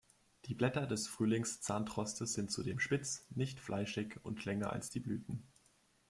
Die Blätter des Frühlings-Zahntrostes sind zudem spitz, nicht fleischig und länger als die Blüten.